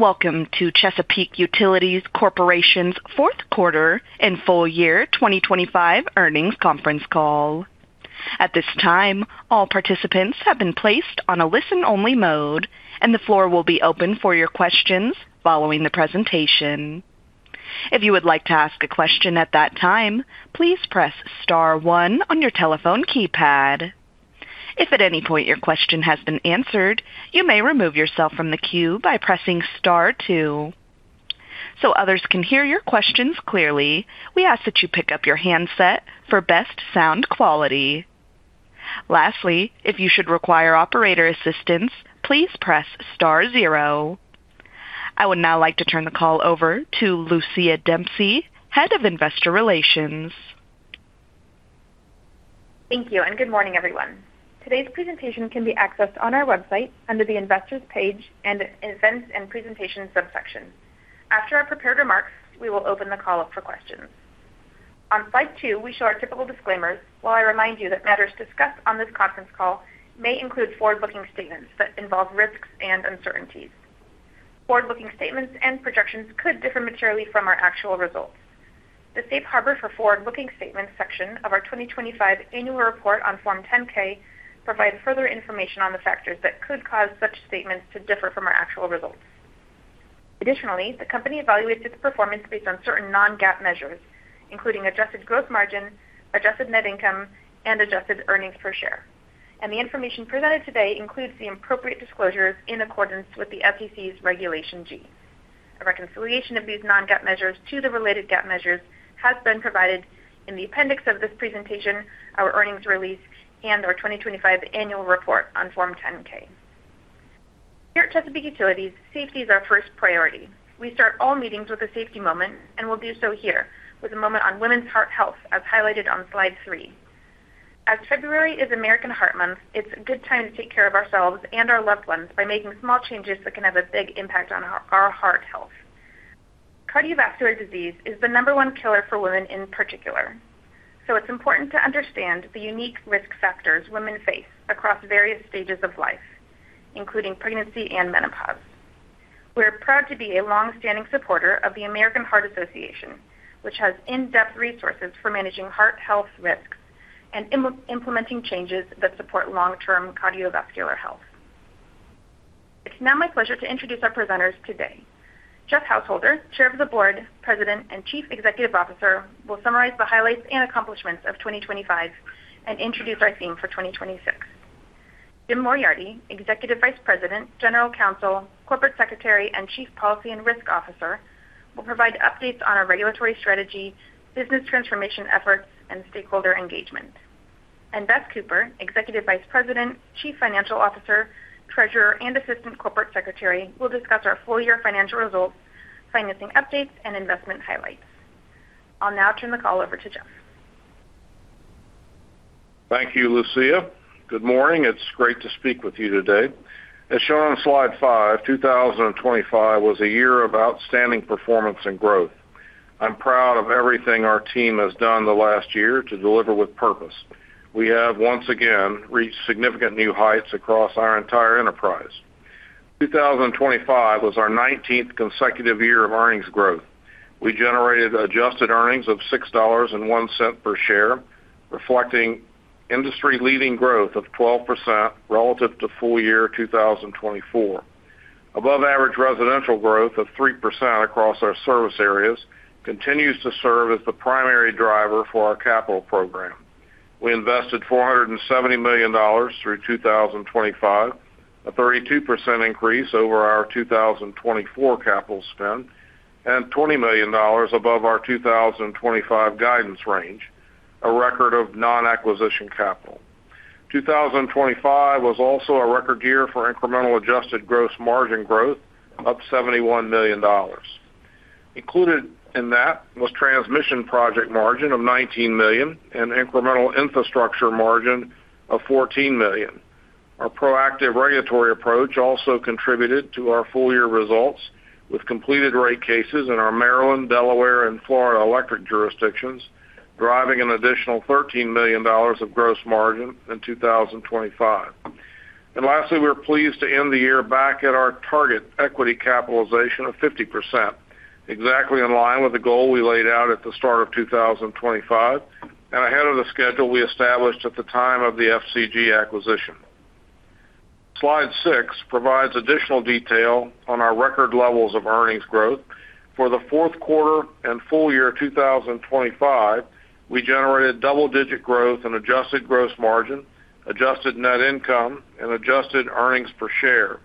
Welcome to Chesapeake Utilities Corporation's Fourth Quarter and Full Year 2025 Earnings Conference Call. At this time, all participants have been placed on a listen-only mode, and the floor will be open for your questions following the presentation. If you would like to ask a question at that time, please press star one on your telephone keypad. If at any point your question has been answered, you may remove yourself from the queue by pressing star two. Others can hear your questions clearly, we ask that you pick up your handset for best sound quality. Lastly, if you should require operator assistance, please press star zero. I would now like to turn the call over to Lucia Dempsey, Head of Investor Relations. Thank you. Good morning, everyone. Today's presentation can be accessed on our website under the Investors page and Events and Presentation subsection. After our prepared remarks, we will open the call up for questions. On slide 2, we show our typical disclaimers, while I remind you that matters discussed on this conference call may include forward-looking statements that involve risks and uncertainties. Forward-looking statements and projections could differ materially from our actual results. The Safe Harbor for Forward-Looking Statements section of our 2025 annual report on Form 10-K provides further information on the factors that could cause such statements to differ from our actual results. Additionally, the company evaluates its performance based on certain non-GAAP measures, including adjusted gross margin, adjusted net income, and adjusted earnings per share. The information presented today includes the appropriate disclosures in accordance with the SEC's Regulation G. A reconciliation of these non-GAAP measures to the related GAAP measures has been provided in the appendix of this presentation, our earnings release, and our 2025 annual report on Form 10-K. Here at Chesapeake Utilities, safety is our first priority. We start all meetings with a safety moment, and we'll do so here with a moment on women's heart health, as highlighted on slide 3. As February is American Heart Month, it's a good time to take care of ourselves and our loved ones by making small changes that can have a big impact on our heart health. Cardiovascular disease is the number one killer for women in particular, so it's important to understand the unique risk factors women face across various stages of life, including pregnancy and menopause. We are proud to be a long-standing supporter of the American Heart Association, which has in-depth resources for managing heart health risks and implementing changes that support long-term cardiovascular health. It's now my pleasure to introduce our presenters today. Jeff Householder, Chair of the Board, President, and Chief Executive Officer, will summarize the highlights and accomplishments of 2025 and introduce our theme for 2026. Jim Moriarty, Executive Vice President, General Counsel, Corporate Secretary, and Chief Policy and Risk Officer, will provide updates on our regulatory strategy, business transformation efforts, and stakeholder engagement. Beth Cooper, Executive Vice President, Chief Financial Officer, Treasurer, and Assistant Corporate Secretary, will discuss our full-year financial results, financing updates, and investment highlights. I'll now turn the call over to Jeff. Thank you, Lucia. Good morning. It's great to speak with you today. As shown on slide 5, 2025 was a year of outstanding performance and growth. I'm proud of everything our team has done in the last year to deliver with purpose. We have, once again, reached significant new heights across our entire enterprise. 2025 was our 19th consecutive year of earnings growth. We generated adjusted earnings of $6.01 per share, reflecting industry-leading growth of 12% relative to full year 2024. Above average residential growth of 3% across our service areas continues to serve as the primary driver for our capital program. We invested $470 million through 2025, a 32% increase over our 2024 capital spend, and $20 million above our 2025 guidance range, a record of non-acquisition capital. 2025 was also a record year for incremental adjusted gross margin growth, up $71 million. Included in that was transmission project margin of $19 million and incremental infrastructure margin of $14 million. Our proactive regulatory approach also contributed to our full-year results, with completed rate cases in our Maryland, Delaware, and Florida electric jurisdictions, driving an additional $13 million of gross margin in 2025. Lastly, we're pleased to end the year back at our target equity capitalization of 50%, exactly in line with the goal we laid out at the start of 2025 and ahead of the schedule we established at the time of the FCG acquisition. Slide 6 provides additional detail on our record levels of earnings growth. For the fourth quarter and full year 2025, we generated double-digit growth in adjusted gross margin, adjusted net income, and adjusted earnings per share.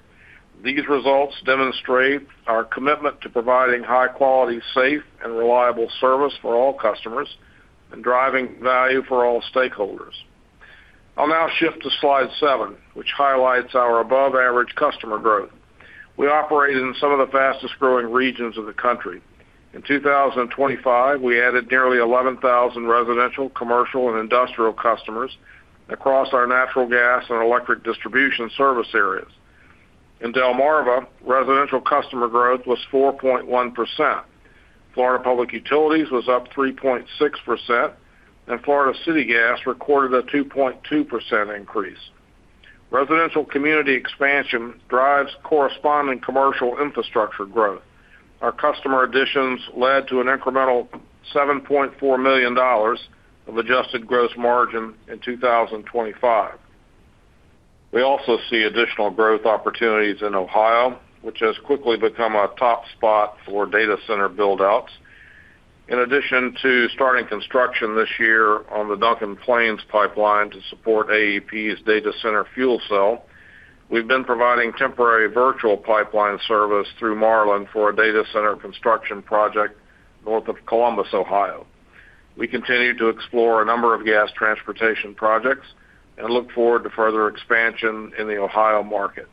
These results demonstrate our commitment to providing high-quality, safe, and reliable service for all customers and driving value for all stakeholders. I'll now shift to slide 7, which highlights our above-average customer growth. We operate in some of the fastest-growing regions of the country. In 2025, we added nearly 11,000 residential, commercial, and industrial customers across our natural gas and electric distribution service areas. In Delmarva, residential customer growth was 4.1%. Florida Public Utilities was up 3.6%, Florida City Gas recorded a 2.2% increase. Residential community expansion drives corresponding commercial infrastructure growth. Our customer additions led to an incremental $7.4 million of adjusted gross margin in 2025. We also see additional growth opportunities in Ohio, which has quickly become a top spot for data center build-outs. In addition to starting construction this year on the Duncan Plains pipeline to support AEP's data center fuel cell, we've been providing temporary virtual pipeline service through Marlin for a data center construction project north of Columbus, Ohio. We continue to explore a number of gas transportation projects and look forward to further expansion in the Ohio market.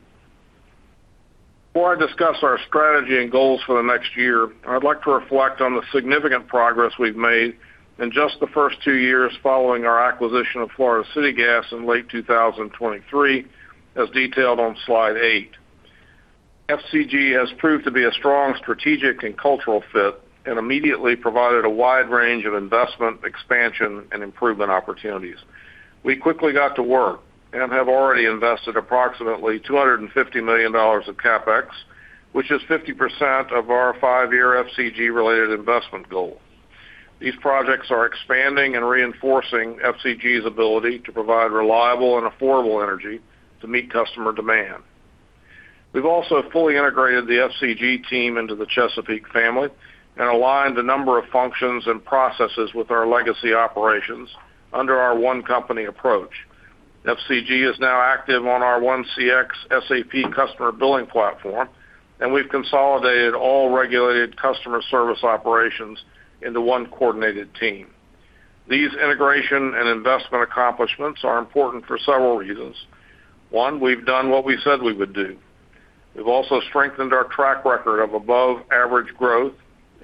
Before I discuss our strategy and goals for the next year, I'd like to reflect on the significant progress we've made in just the first two years following our acquisition of Florida City Gas in late 2023, as detailed on slide 8. FCG has proved to be a strong strategic and cultural fit and immediately provided a wide range of investment, expansion, and improvement opportunities. We quickly got to work and have already invested approximately $250 million of CapEx, which is 50% of our 5-year FCG-related investment goal. These projects are expanding and reinforcing FCG's ability to provide reliable and affordable energy to meet customer demand. We've also fully integrated the FCG team into the Chesapeake family and aligned a number of functions and processes with our legacy operations under our One Company approach. FCG is now active on our 1CX SAP customer billing platform, and we've consolidated all regulated customer service operations into one coordinated team. These integration and investment accomplishments are important for several reasons. One, we've done what we said we would do. We've also strengthened our track record of above-average growth,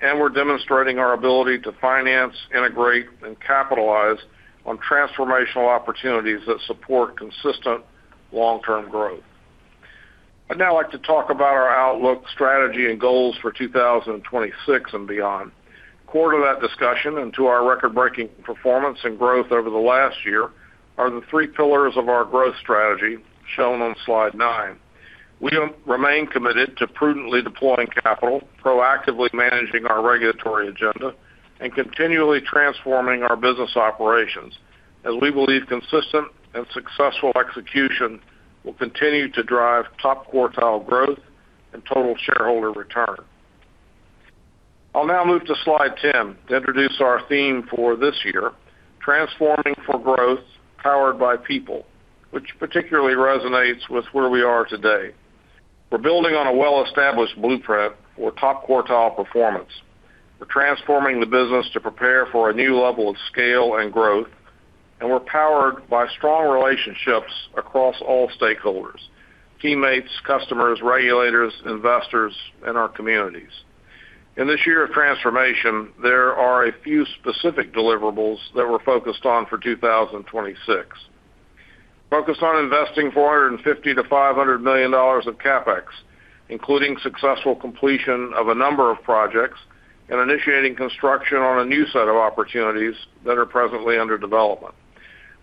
and we're demonstrating our ability to finance, integrate, and capitalize on transformational opportunities that support consistent long-term growth. I'd now like to talk about our outlook, strategy, and goals for 2026 and beyond. Core to that discussion and to our record-breaking performance and growth over the last year are the three pillars of our growth strategy, shown on slide 9. We remain committed to prudently deploying capital, proactively managing our regulatory agenda, and continually transforming our business operations, as we believe consistent and successful execution will continue to drive top-quartile growth and total shareholder return. I'll now move to slide 10 to introduce our theme for this year, Transforming for Growth: Powered by People, which particularly resonates with where we are today. We're building on a well-established blueprint for top-quartile performance. We're transforming the business to prepare for a new level of scale and growth, and we're powered by strong relationships across all stakeholders, teammates, customers, regulators, investors, and our communities. In this year of transformation, there are a few specific deliverables that we're focused on for 2026. Focused on investing $450 million-$500 million of CapEx, including successful completion of a number of projects and initiating construction on a new set of opportunities that are presently under development.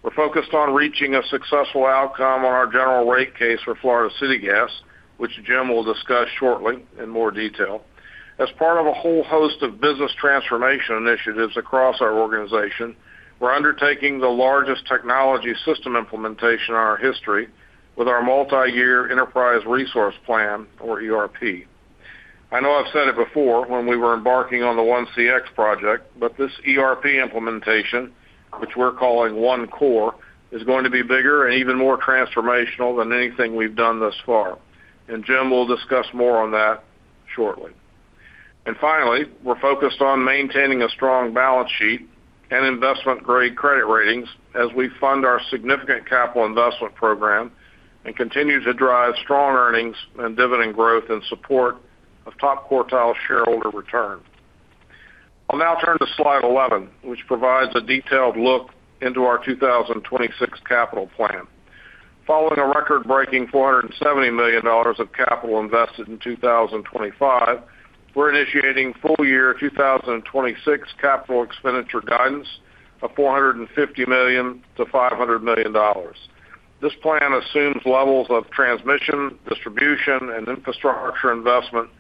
We're focused on reaching a successful outcome on our general rate case for Florida City Gas, which Jim will discuss shortly in more detail. As part of a whole host of business transformation initiatives across our organization, we're undertaking the largest technology system implementation in our history with our multiyear enterprise resource plan, or ERP. I know I've said it before when we were embarking on the 1CX project, but this ERP implementation, which we're calling 1CORE, is going to be bigger and even more transformational than anything we've done thus far, and Jim will discuss more on that shortly. Finally, we're focused on maintaining a strong balance sheet and investment-grade credit ratings as we fund our significant capital investment program and continue to drive strong earnings and dividend growth in support of top-quartile shareholder return. I'll now turn to slide 11, which provides a detailed look into our 2026 capital plan. Following a record-breaking $470 million of capital invested in 2025, we're initiating full-year 2026 capital expenditure guidance of $450 million-$500 million. This plan assumes levels of transmission, distribution, and infrastructure investment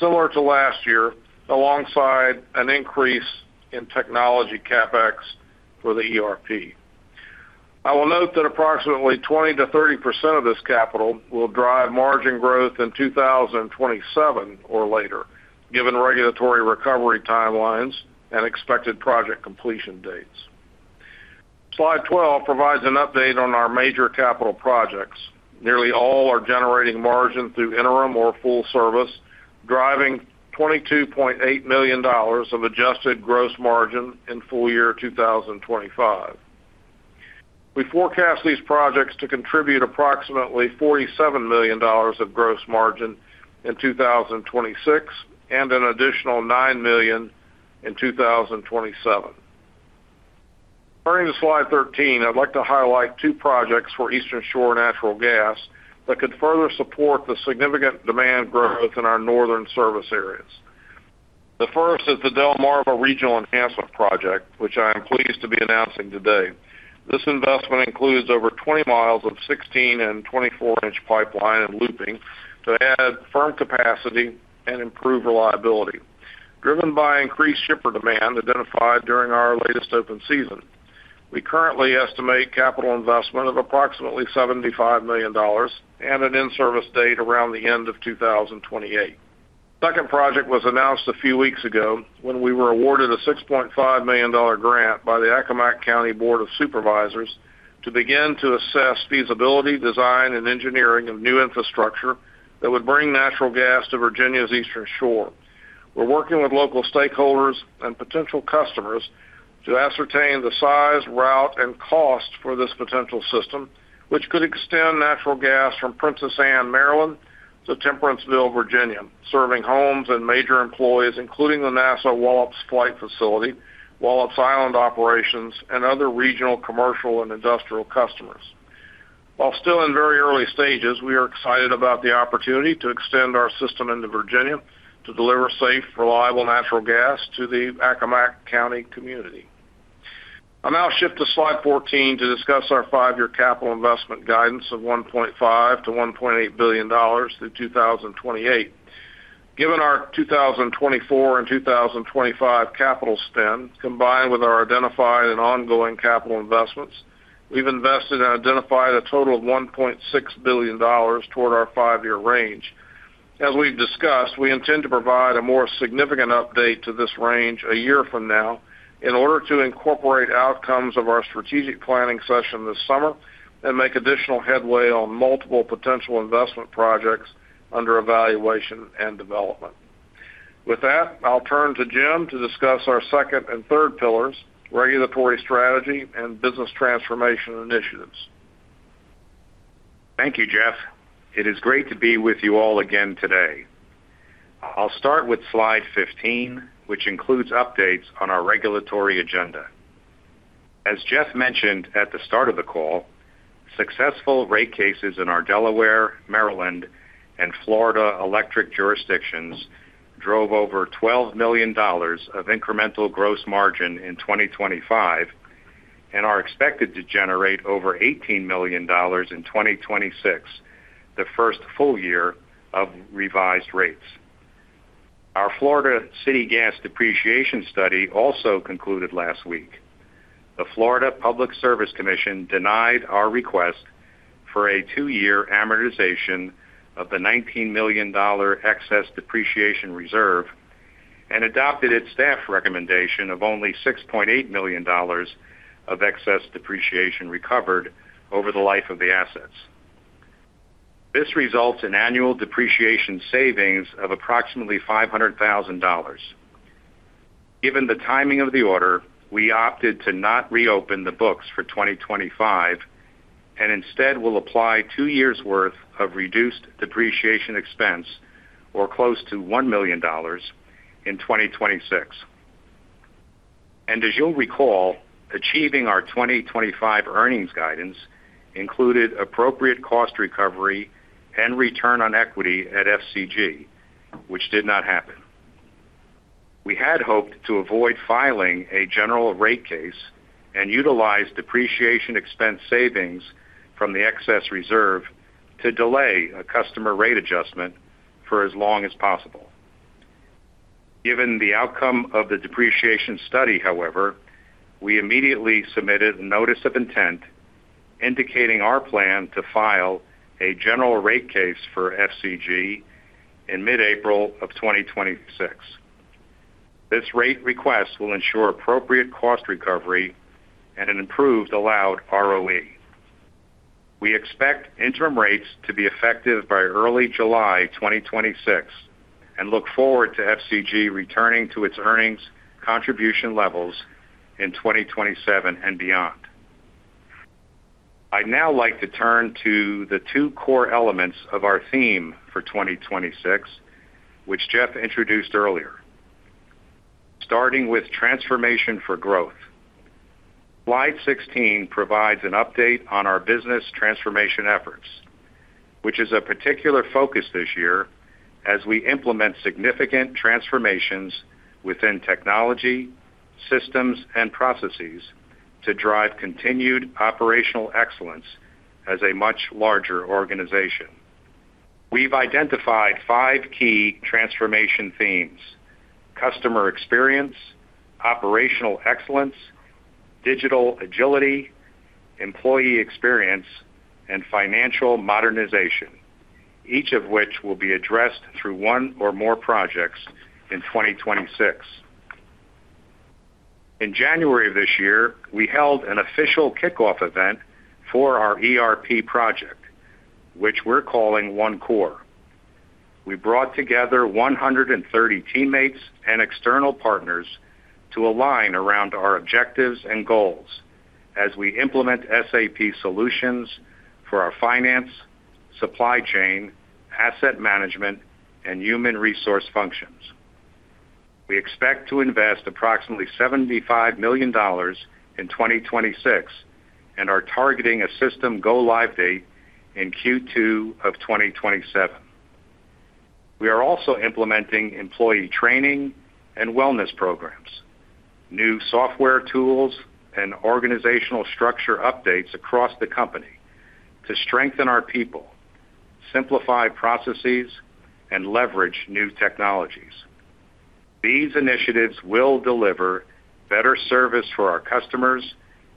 similar to last year, alongside an increase in technology CapEx for the ERP. I will note that approximately 20%-30% of this capital will drive margin growth in 2027 or later, given regulatory recovery timelines and expected project completion dates. Slide 12 provides an update on our major capital projects. Nearly all are generating margin through interim or full service, driving $22.8 million of adjusted gross margin in full year 2025. We forecast these projects to contribute approximately $47 million of gross margin in 2026 and an additional $9 million in 2027. Turning to slide 13, I'd like to highlight two projects for Eastern Shore Natural Gas that could further support the significant demand growth in our northern service areas. The first is the Delmarva Regional Enhancement Project, which I am pleased to be announcing today. This investment includes over 20 miles of 16 and 24-inch pipeline and looping to add firm capacity and improve reliability, driven by increased shipper demand identified during our latest open season. We currently estimate capital investment of approximately $75 million and an in-service date around the end of 2028. Second project was announced a few weeks ago, when we were awarded a $6.5 million grant by the Accomack County Board of Supervisors to begin to assess feasibility, design, and engineering of new infrastructure that would bring natural gas to Virginia's Eastern Shore. We're working with local stakeholders and potential customers to ascertain the size, route, and cost for this potential system, which could extend natural gas from Princess Anne, Maryland, to Temperanceville, Virginia, serving homes and major employees, including the NASA Wallops Flight Facility, Wallops Island operations, and other regional, commercial, and industrial customers. While still in very early stages, we are excited about the opportunity to extend our system into Virginia to deliver safe, reliable natural gas to the Accomack County community. I'll now shift to slide 14 to discuss our five-year capital investment guidance of $1.5 billion-$1.8 billion through 2028. Given our 2024 and 2025 capital spend, combined with our identified and ongoing capital investments, we've invested and identified a total of $1.6 billion toward our five-year range. As we've discussed, we intend to provide a more significant update to this range a year from now in order to incorporate outcomes of our strategic planning session this summer and make additional headway on multiple potential investment projects under evaluation and development. With that, I'll turn to Jim to discuss our second and third pillars, regulatory strategy and business transformation initiatives. Thank you, Jeff. It is great to be with you all again today. I'll start with slide 15, which includes updates on our regulatory agenda. As Jeff mentioned at the start of the call, successful rate cases in our Delaware, Maryland, and Florida electric jurisdictions drove over $12 million of incremental gross margin in 2025, and are expected to generate over $18 million in 2026, the first full year of revised rates. Our Florida City Gas depreciation study also concluded last week. The Florida Public Service Commission denied our request for a two-year amortization of the $19 million excess depreciation reserve and adopted its staff recommendation of only $6.8 million of excess depreciation recovered over the life of the assets. This results in annual depreciation savings of approximately $500,000. Given the timing of the order, we opted to not reopen the books for 2025, and instead will apply two years' worth of reduced depreciation expense, or close to $1 million, in 2026. As you'll recall, achieving our 2025 earnings guidance included appropriate cost recovery and return on equity at FCG, which did not happen. We had hoped to avoid filing a general rate case and utilize depreciation expense savings from the excess reserve to delay a customer rate adjustment for as long as possible. Given the outcome of the depreciation study, however, we immediately submitted a notice of intent, indicating our plan to file a general rate case for FCG in mid-April of 2026. This rate request will ensure appropriate cost recovery and an improved allowed ROE. We expect interim rates to be effective by early July 2026, and look forward to FCG returning to its earnings contribution levels in 2027 and beyond. I'd now like to turn to the two core elements of our theme for 2026, which Jeff introduced earlier. Starting with transformation for growth. Slide 16 provides an update on our business transformation efforts, which is a particular focus this year as we implement significant transformations within technology, systems, and processes to drive continued operational excellence as a much larger organization. We've identified five key transformation themes: customer experience, operational excellence, digital agility, employee experience, and financial modernization, each of which will be addressed through one or more projects in 2026. In January of this year, we held an official kickoff event for our ERP project, which we're calling 1CORE. We brought together 130 teammates and external partners to align around our objectives and goals as we implement SAP solutions for our finance, supply chain, asset management, and human resource functions. We expect to invest approximately $75 million in 2026 and are targeting a system go-live date in Q2 of 2027. We are also implementing employee training and wellness programs, new software tools, and organizational structure updates across the company to strengthen our people, simplify processes, and leverage new technologies. These initiatives will deliver better service for our customers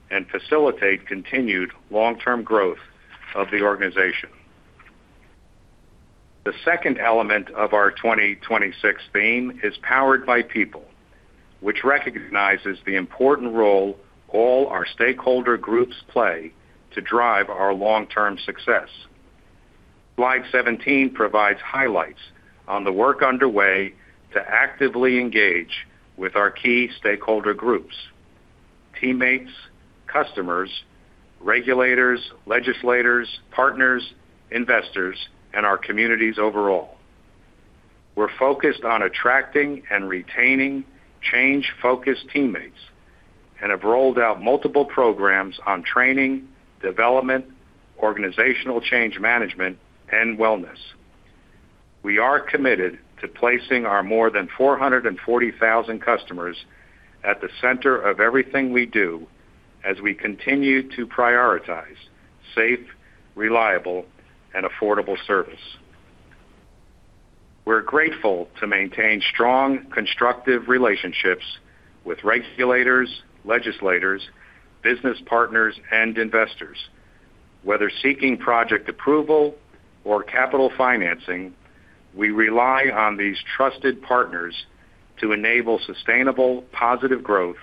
and facilitate continued long-term growth of the organization. The second element of our 2026 theme is Powered by People, which recognizes the important role all our stakeholder groups play to drive our long-term success. Slide 17 provides highlights on the work underway to actively engage with our key stakeholder groups, teammates, customers, regulators, legislators, partners, investors, and our communities overall. We're focused on attracting and retaining change-focused teammates and have rolled out multiple programs on training, development, organizational change management, and wellness. We are committed to placing our more than 440,000 customers at the center of everything we do as we continue to prioritize safe, reliable, and affordable service. We're grateful to maintain strong, constructive relationships with regulators, legislators, business partners, and investors. Whether seeking project approval or capital financing, we rely on these trusted partners to enable sustainable, positive growth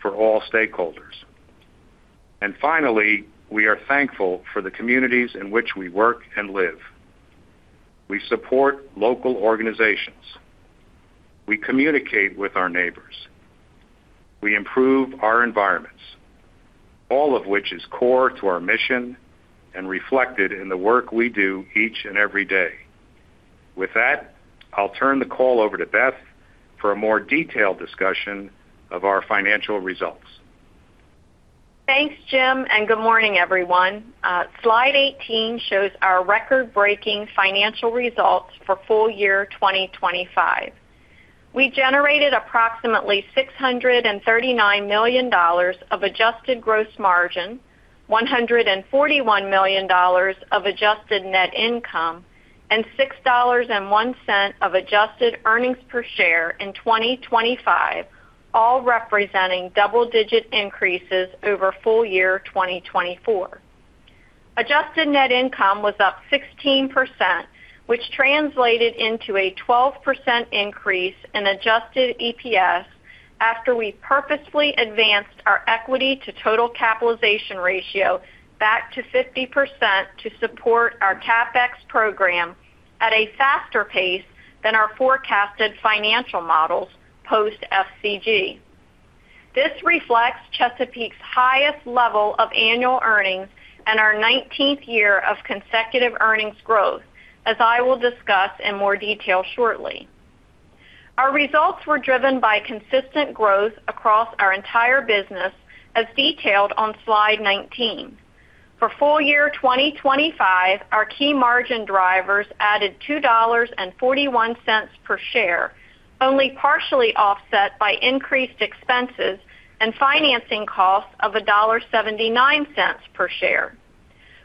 for all stakeholders. Finally, we are thankful for the communities in which we work and live. We support local organizations. We communicate with our neighbors. We improve our environments, all of which is core to our mission and reflected in the work we do each and every day. With that, I'll turn the call over to Beth for a more detailed discussion of our financial results. Thanks, Jim, good morning, everyone. Slide 18 shows our record-breaking financial results for full year 2025. We generated approximately $639 million of adjusted gross margin, $141 million of adjusted net income, and $6.01 of adjusted earnings per share in 2025, all representing double-digit increases over full year 2024. Adjusted net income was up 16%, which translated into a 12% increase in Adjusted EPS after we purposefully advanced our equity to total capitalization ratio back to 50% to support our CapEx program at a faster pace than our forecasted financial models post FCG. This reflects Chesapeake's highest level of annual earnings and our 19th year of consecutive earnings growth, as I will discuss in more detail shortly. Our results were driven by consistent growth across our entire business, as detailed on slide 19. For full year 2025, our key margin drivers added $2.41 per share, only partially offset by increased expenses and financing costs of $1.79 per share.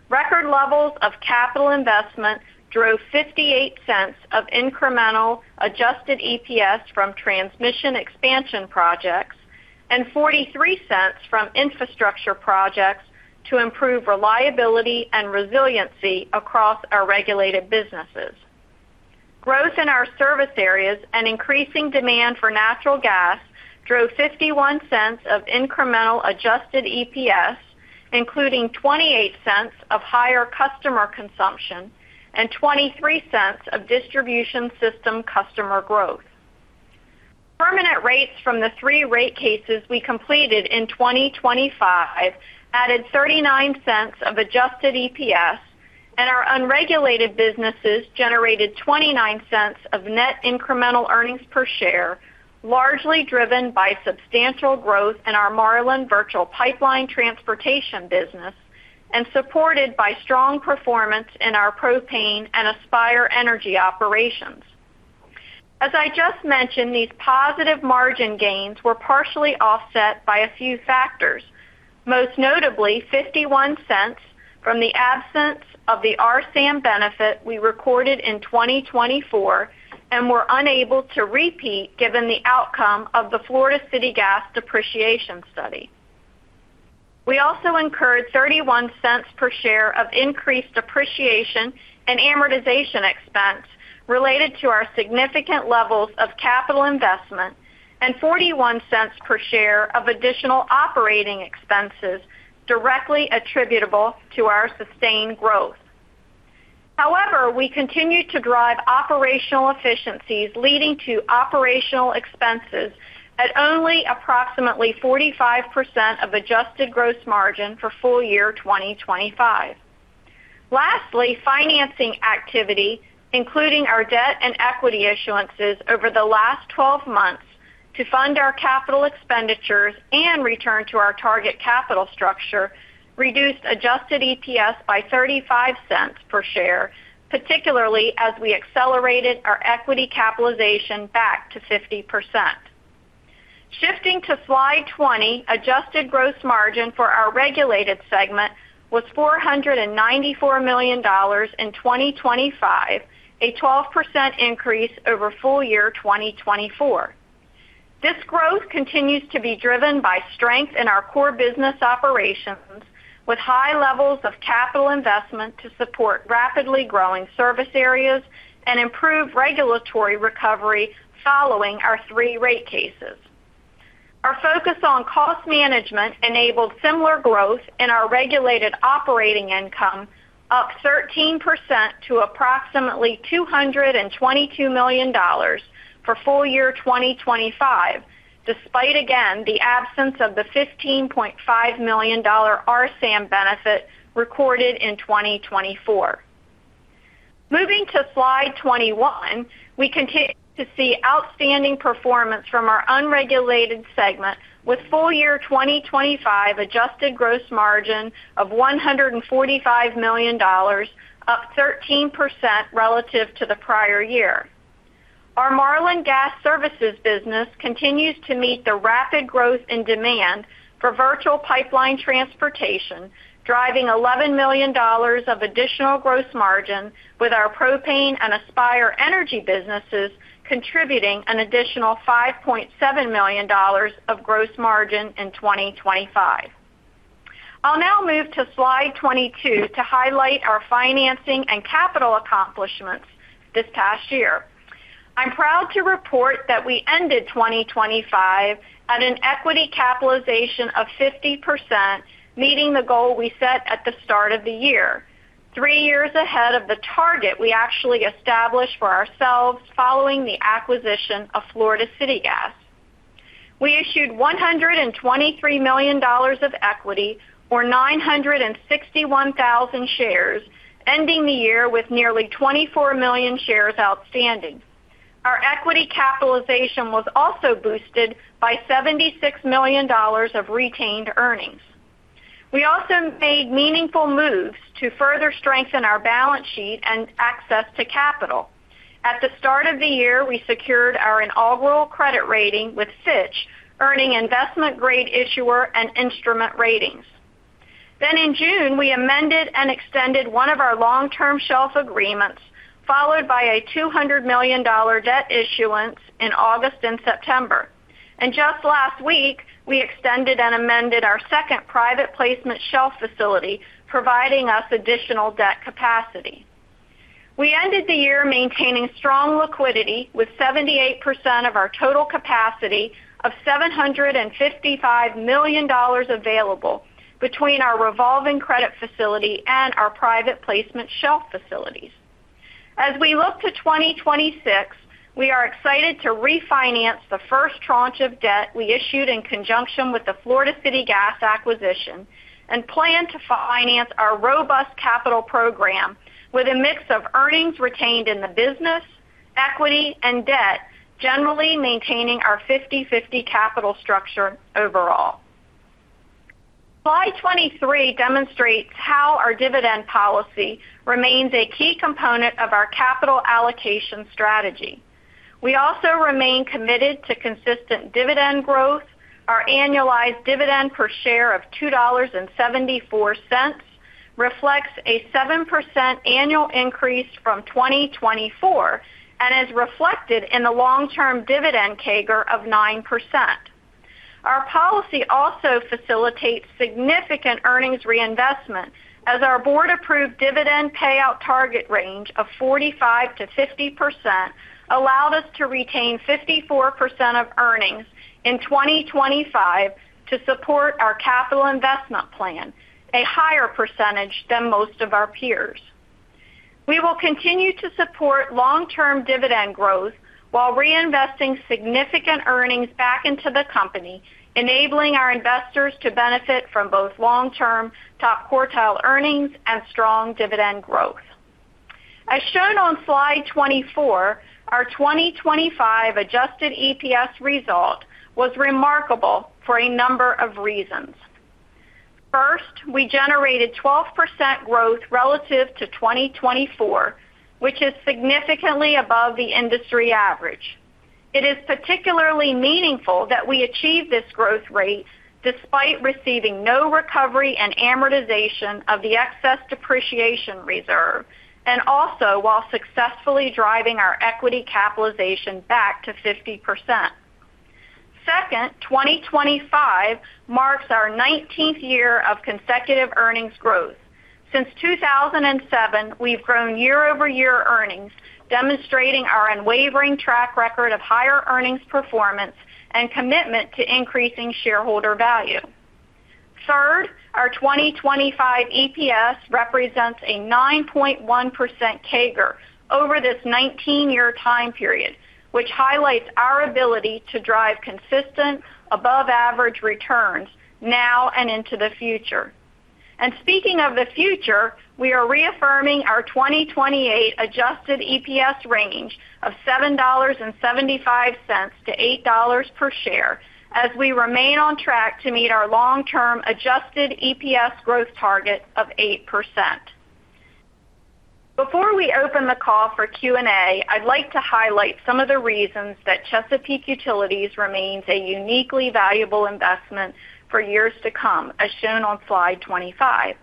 Record levels of capital investments drove $0.58 of incremental Adjusted EPS from transmission expansion projects and $0.43 from infrastructure projects to improve reliability and resiliency across our regulated businesses. Growth in our service areas and increasing demand for natural gas drove $0.51 of incremental Adjusted EPS, including $0.28 of higher customer consumption and $0.23 of distribution system customer growth. Permanent rates from the three rate cases we completed in 2025 added $0.39 of Adjusted EPS. Our unregulated businesses generated $0.29 of net incremental earnings per share, largely driven by substantial growth in our Marlin Virtual Pipeline Transportation business and supported by strong performance in our propane and Aspire Energy operations. As I just mentioned, these positive margin gains were partially offset by a few factors, most notably $0.51 from the absence of the RSAM benefit we recorded in 2024 and were unable to repeat, given the outcome of the Florida City Gas depreciation study. We also incurred $0.31 per share of increased depreciation and amortization expense related to our significant levels of capital investment and $0.41 per share of additional operating expenses directly attributable to our sustained growth. However, we continued to drive operational efficiencies, leading to operational expenses at only approximately 45% of adjusted gross margin for full year 2025. Lastly, financing activity, including our debt and equity issuances over the last 12 months to fund our CapEx and return to our target capital structure, reduced Adjusted EPS by $0.35 per share, particularly as we accelerated our equity capitalization back to 50%. Shifting to slide 20, adjusted gross margin for our regulated segment was $494 million in 2025, a 12% increase over full year 2024. This growth continues to be driven by strength in our core business operations, with high levels of capital investment to support rapidly growing service areas and improve regulatory recovery following our three rate cases. Our focus on cost management enabled similar growth in our regulated operating income, up 13% to approximately $222 million for full year 2025, despite again, the absence of the $15.5 million RSAM benefit recorded in 2024. Moving to slide 21, we continue to see outstanding performance from our unregulated segment, with full year 2025 adjusted gross margin of $145 million, up 13% relative to the prior year. Our Marlin Gas Services business continues to meet the rapid growth in demand for virtual pipeline transportation, driving $11 million of additional gross margin, with our propane and Aspire Energy businesses contributing an additional $5.7 million of gross margin in 2025. I'll now move to slide 22 to highlight our financing and capital accomplishments this past year. I'm proud to report that we ended 2025 at an equity capitalization of 50%, meeting the goal we set at the start of the year, three years ahead of the target we actually established for ourselves following the acquisition of Florida City Gas. We issued $123 million of equity, or 961,000 shares, ending the year with nearly 24 million shares outstanding. Our equity capitalization was also boosted by $76 million of retained earnings. We also made meaningful moves to further strengthen our balance sheet and access to capital. At the start of the year, we secured our inaugural credit rating with Fitch, earning investment-grade issuer and instrument ratings. In June, we amended and extended one of our long-term shelf agreements, followed by a $200 million debt issuance in August and September. Just last week, we extended and amended our second private placement shelf facility, providing us additional debt capacity. We ended the year maintaining strong liquidity, with 78% of our total capacity of $755 million available between our revolving credit facility and our private placement shelf facilities. We look to 2026, we are excited to refinance the first tranche of debt we issued in conjunction with the Florida City Gas acquisition and plan to finance our robust capital program with a mix of earnings retained in the business, equity, and debt, generally maintaining our 50/50 capital structure overall. Slide 23 demonstrates how our dividend policy remains a key component of our capital allocation strategy. We also remain committed to consistent dividend growth. Our annualized dividend per share of $2.74 reflects a 7% annual increase from 2024 and is reflected in the long-term dividend CAGR of 9%. Our policy also facilitates significant earnings reinvestment, as our board-approved dividend payout target range of 45%-50% allowed us to retain 54% of earnings in 2025 to support our capital investment plan, a higher percentage than most of our peers. We will continue to support long-term dividend growth while reinvesting significant earnings back into the company, enabling our investors to benefit from both long-term top-quartile earnings and strong dividend growth. As shown on slide 24, our 2025 Adjusted EPS result was remarkable for a number of reasons. First, we generated 12% growth relative to 2024, which is significantly above the industry average. It is particularly meaningful that we achieved this growth rate despite receiving no recovery and amortization of the excess depreciation reserve, and also while successfully driving our equity capitalization back to 50%. Second, 2025 marks our 19th year of consecutive earnings growth. Since 2007, we've grown year-over-year earnings, demonstrating our unwavering track record of higher earnings performance and commitment to increasing shareholder value. Third, our 2025 EPS represents a 9.1% CAGR over this 19-year time period, which highlights our ability to drive consistent, above-average returns now and into the future. Speaking of the future, we are reaffirming our 2028 Adjusted EPS range of $7.75-$8.00 per share, as we remain on track to meet our long-term Adjusted EPS growth target of 8%. Before we open the call for Q&A, I'd like to highlight some of the reasons that Chesapeake Utilities remains a uniquely valuable investment for years to come, as shown on slide 25.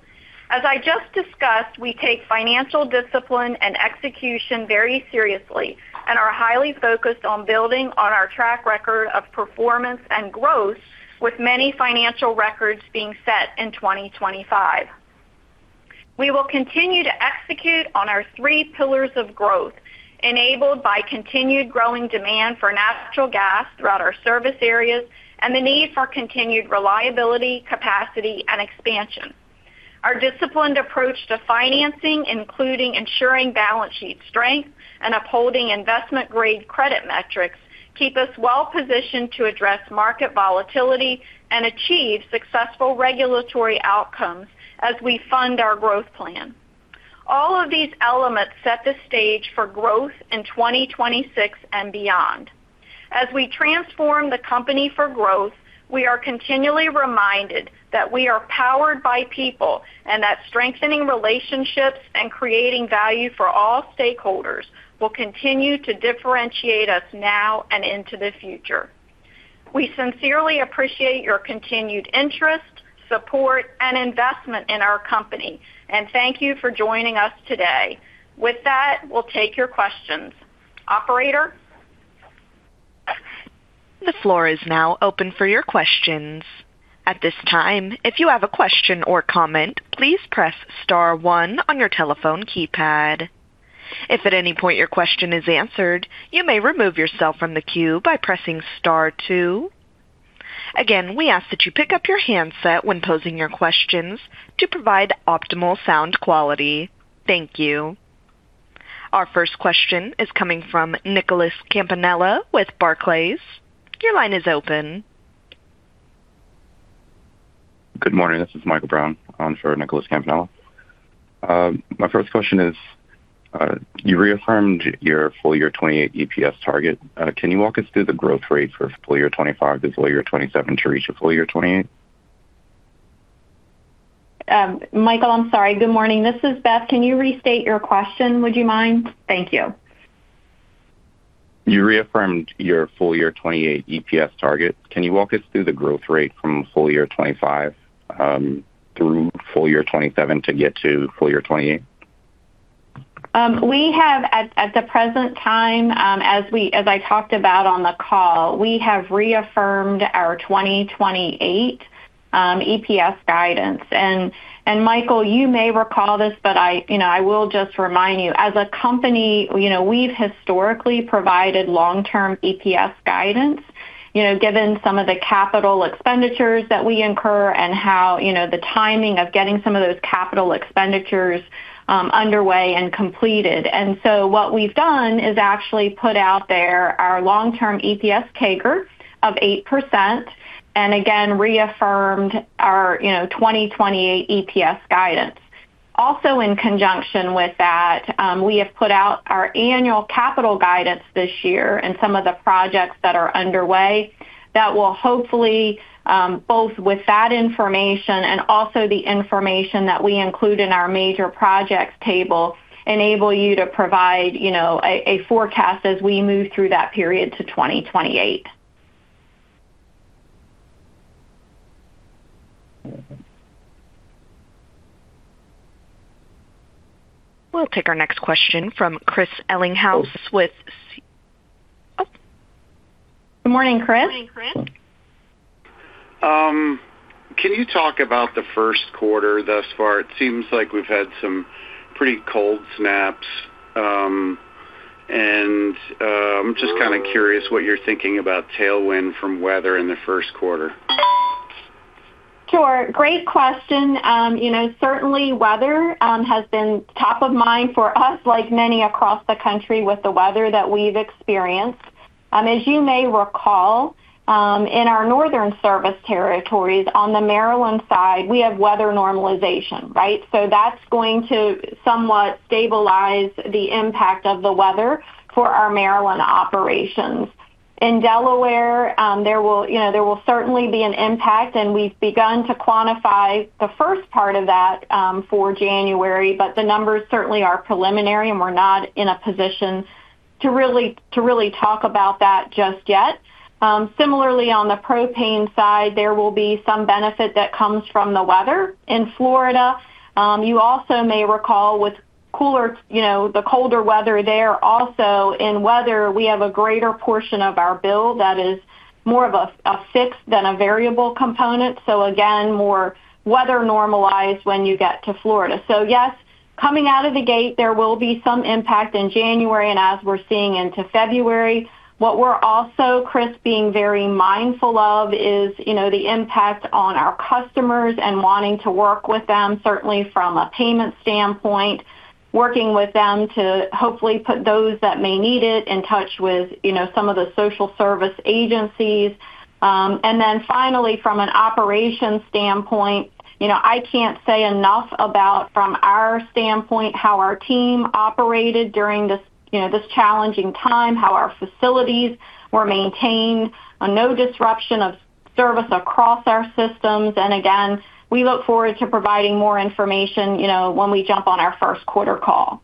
As I just discussed, we take financial discipline and execution very seriously and are highly focused on building on our track record of performance and growth, with many financial records being set in 2025. We will continue to execute on our three pillars of growth, enabled by continued growing demand for natural gas throughout our service areas and the need for continued reliability, capacity, and expansion. Our disciplined approach to financing, including ensuring balance sheet strength and upholding investment-grade credit metrics, keep us well-positioned to address market volatility and achieve successful regulatory outcomes as we fund our growth plan. All of these elements set the stage for growth in 2026 and beyond. As we transform the company for growth, we are continually reminded that we are powered by people, and that strengthening relationships and creating value for all stakeholders will continue to differentiate us now and into the future. We sincerely appreciate your continued interest, support, and investment in our company, and thank you for joining us today. With that, we'll take your questions. Operator? The floor is now open for your questions. At this time, if you have a question or comment, please press star one on your telephone keypad. If at any point your question is answered, you may remove yourself from the queue by pressing star two. Again, we ask that you pick up your handset when posing your questions to provide optimal sound quality. Thank you. Our first question is coming from Nicholas Campanella with Barclays. Your line is open. Good morning, this is Michael Brown on for Nicholas Campanella. My first question is, you reaffirmed your full year '28 EPS target. Can you walk us through the growth rate for full year '25 to full year '27 to reach a full year '28? Michael, I'm sorry. Good morning, this is Beth. Can you restate your question? Would you mind? Thank you. You reaffirmed your full year 2028 EPS target. Can you walk us through the growth rate from full year 2025, through full year 2027 to get to full year 2028? We have at the present time, as I talked about on the call, we have reaffirmed our 2028 EPS guidance. Michael, you may recall this, but I, you know, I will just remind you, as a company, you know, we've historically provided long-term EPS guidance, you know, given some of the capital expenditures that we incur and how, you know, the timing of getting some of those capital expenditures underway and completed. What we've done is actually put out there our long-term EPS CAGR of 8%, and again, reaffirmed our, you know, 2028 EPS guidance. In conjunction with that, we have put out our annual capital guidance this year and some of the projects that are underway that will hopefully, both with that information and also the information that we include in our major projects table, enable you to provide, you know, a forecast as we move through that period to 2028. We'll take our next question from Chris Ellinghaus with Siebert. Good morning, Chris. Can you talk about the first quarter thus far? It seems like we've had some pretty cold snaps. I'm just kind of curious what you're thinking about tailwind from weather in the first quarter. Sure. Great question. you know, certainly weather has been top of mind for us, like many across the country, with the weather that we've experienced. as you may recall, in our northern service territories on the Maryland side, we have weather normalization, right? That's going to somewhat stabilize the impact of the weather for our Maryland operations. In Delaware, there will, you know, there will certainly be an impact, and we've begun to quantify the first part of that, for January, the numbers certainly are preliminary, and we're not in a position to really talk about that just yet. Similarly, on the propane side, there will be some benefit that comes from the weather in Florida. You also may recall with cooler, you know, the colder weather there also in weather, we have a greater portion of our bill that is more of a fixed than a variable component. Again, more weather normalized when you get to Florida. Yes, coming out of the gate, there will be some impact in January and as we're seeing into February. What we're also, Chris, being very mindful of is, you know, the impact on our customers and wanting to work with them, certainly from a payment standpoint, working with them to hopefully put those that may need it in touch with, you know, some of the social service agencies. Finally, from an operations standpoint, you know, I can't say enough about, from our standpoint, how our team operated during this, you know, this challenging time, how our facilities were maintained, a no disruption of service across our systems. Again, we look forward to providing more information, you know, when we jump on our first quarter call.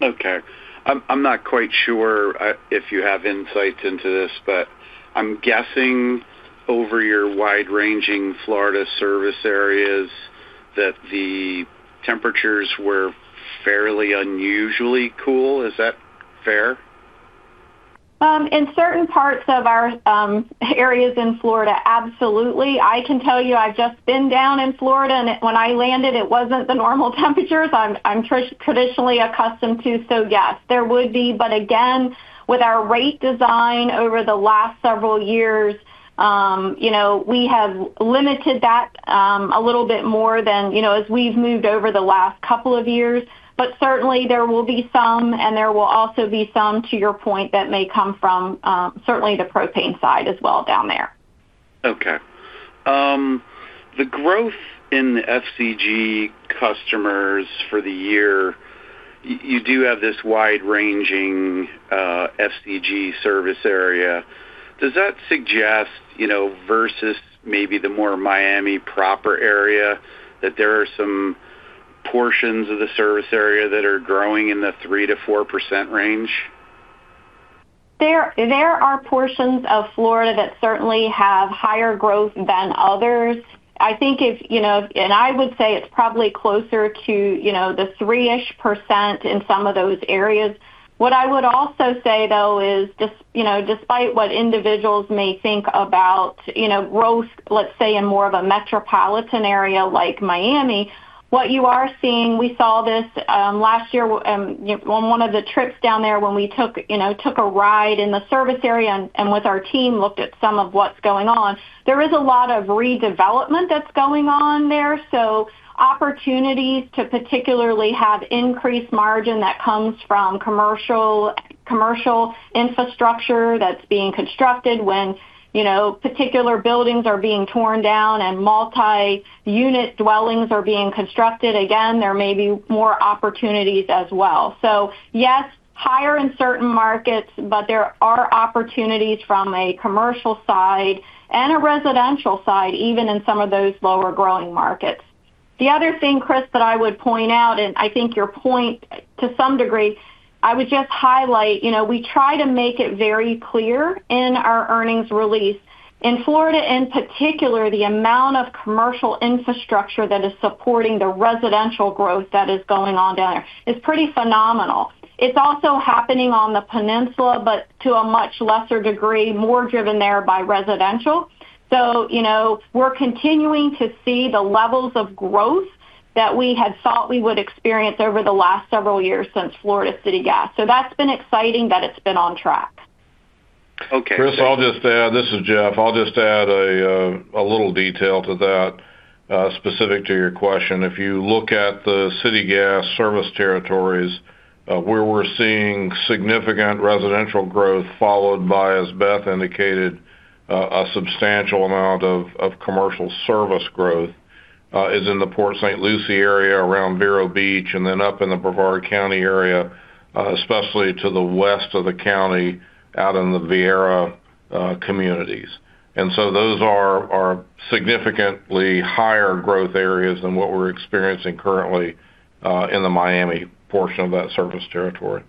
Okay. I'm not quite sure if you have insights into this, but I'm guessing over your wide-ranging Florida service areas that the temperatures were fairly unusually cool. Is that fair? In certain parts of our areas in Florida, absolutely. I can tell you, I've just been down in Florida, and when I landed, it wasn't the normal temperatures I'm traditionally accustomed to. Yes, there would be. Again, with our rate design over the last several years, you know, we have limited that, a little bit more than, you know, as we've moved over the last couple of years. Certainly, there will be some, and there will also be some, to your point, that may come from, certainly the propane side as well down there. The growth in the FCG customers for the year, you do have this wide-ranging FCG service area. Does that suggest, you know, versus maybe the more Miami proper area, that there are some portions of the service area that are growing in the 3%-4% range? There are portions of Florida that certainly have higher growth than others. I think if, you know, and I would say it's probably closer to, you know, the 3-ish% in some of those areas. What I would also say, though, is just, you know, despite what individuals may think about, you know, growth, let's say, in more of a metropolitan area like Miami, what you are seeing. We saw this, you know, on one of the trips down there when we took, you know, took a ride in the service area and with our team, looked at some of what's going on. There is a lot of redevelopment that's going on there, so opportunities to particularly have increased margin that comes from commercial infrastructure that's being constructed. When, you know, particular buildings are being torn down and multi-unit dwellings are being constructed, again, there may be more opportunities as well. Yes, higher in certain markets, but there are opportunities from a commercial side and a residential side, even in some of those lower growing markets. The other thing, Chris, that I would point out, and I think your point to some degree, I would just highlight, you know, we try to make it very clear in our earnings release, in Florida, in particular, the amount of commercial infrastructure that is supporting the residential growth that is going on down there is pretty phenomenal. It's also happening on the Peninsula, but to a much lesser degree, more driven there by residential. You know, we're continuing to see the levels of growth that we had thought we would experience over the last several years since Florida City Gas. That's been exciting that it's been on track. Okay- Chris, I'll just add. This is Jeff. I'll just add a little detail to that, specific to your question. If you look at the city gas service territories, where we're seeing significant residential growth, followed by, as Beth indicated, a substantial amount of commercial service growth, is in the Port St. Lucie area around Vero Beach, and then up in the Brevard County area, especially to the west of the county, out in the Viera, communities. Those are significantly higher growth areas than what we're experiencing currently, in the Miami portion of that service territory.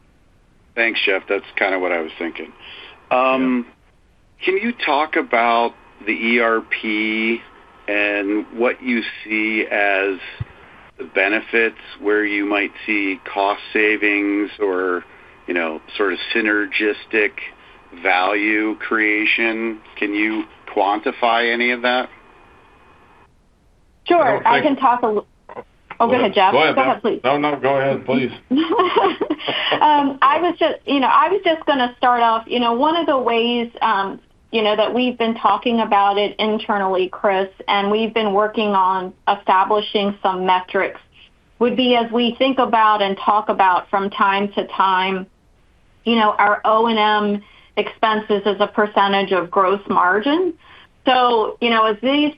Thanks, Jeff. That's kind of what I was thinking. Yeah. Can you talk about the ERP and what you see as the benefits, where you might see cost savings or, you know, sort of synergistic value creation? Can you quantify any of that? Sure. I think- Oh, go ahead, Jeff. Go ahead. Go ahead, please. No, no, go ahead, please. I was just, you know, I was just going to start off, you know, one of the ways, you know, that we've been talking about it internally, Chris, and we've been working on establishing some metrics, would be as we think about and talk about from time to time, you know, our O&M expenses as a percentage of gross margin. As this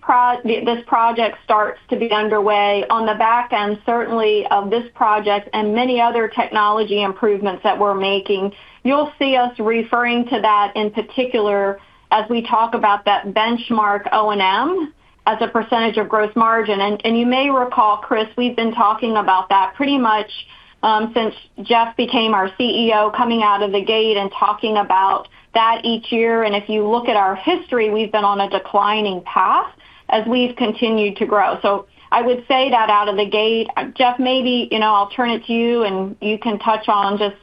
project starts to be underway, on the back end, certainly, of this project and many other technology improvements that we're making, you'll see us referring to that in particular as we talk about that benchmark O&M as a percentage of gross margin. You may recall, Chris, we've been talking about that pretty much, since Jeff became our CEO, coming out of the gate and talking about that each year. If you look at our history, we've been on a declining path as we've continued to grow. I would say that out of the gate. Jeff, maybe, you know, I'll turn it to you, and you can touch on just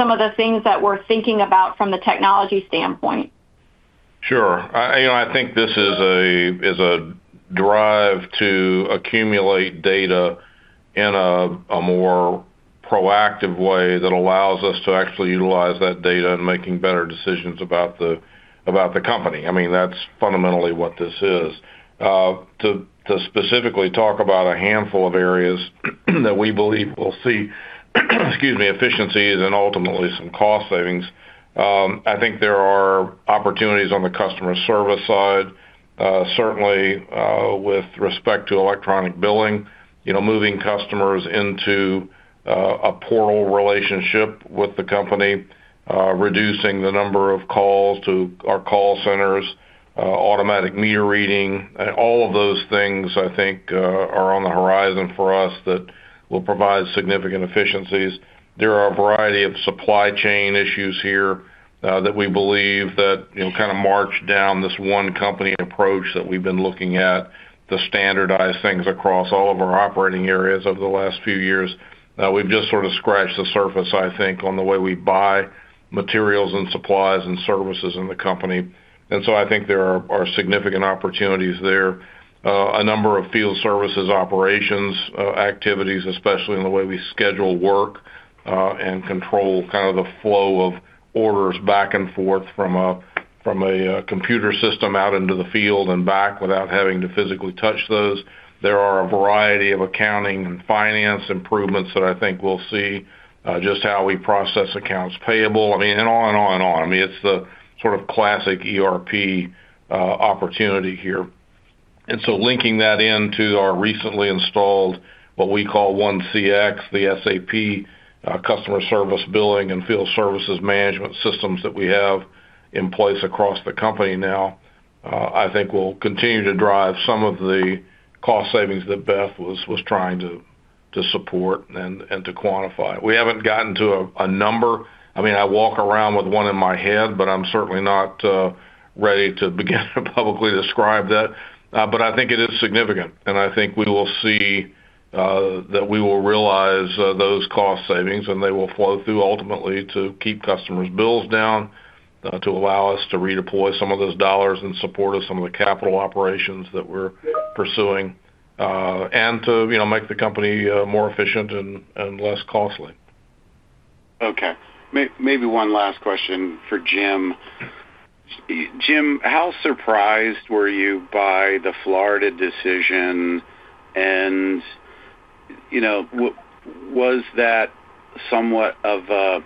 some of the things that we're thinking about from the technology standpoint. Sure. you know, I think this is a drive to accumulate data in a more proactive way that allows us to actually utilize that data in making better decisions about the company. I mean, that's fundamentally what this is. To specifically talk about a handful of areas that we believe will see, excuse me, efficiencies and ultimately some cost savings. I think there are opportunities on the customer service side, certainly, with respect to electronic billing, you know, moving customers into a portal relationship with the company, reducing the number of calls to our call centers, automatic meter reading. All of those things, I think, are on the horizon for us that will provide significant efficiencies. There are a variety of supply chain issues here that we believe that, you know, kind of march down this One Company approach that we've been looking at to standardize things across all of our operating areas over the last few years. We've just sort of scratched the surface, I think, on the way we buy materials and supplies and services in the company, and so I think there are significant opportunities there. A number of field services operations activities, especially in the way we schedule work, and control kind of the flow of orders back and forth from a computer system out into the field and back without having to physically touch those. There are a variety of accounting and finance improvements that I think we'll see just how we process accounts payable. I mean, and on and on and on. I mean, it's the sort of classic ERP opportunity here. Linking that into our recently installed, what we call 1CX, the SAP customer service, billing, and field services management systems that we have in place across the company now, I think will continue to drive some of the cost savings that Beth was trying to support and to quantify. We haven't gotten to a number. I mean, I walk around with one in my head, but I'm certainly not ready to begin to publicly describe that. I think it is significant, and I think we will see that we will realize those cost savings, and they will flow through ultimately to keep customers' bills down, to allow us to redeploy some of those dollars in support of some of the capital operations that we're pursuing, and to, you know, make the company more efficient and less costly. Okay. Maybe one last question for Jim. Jim, how surprised were you by the Florida decision? You know, was that somewhat of a